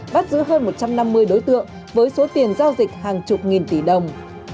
bắt giữ hơn một trăm năm mươi đối tượng với số tiền giao dịch hàng chục nghìn tỷ đồng